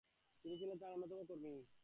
তিনি ছিলেন তার অন্যতম কর্মী।